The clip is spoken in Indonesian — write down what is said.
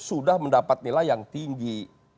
sudah mendapat nilai yang tinggi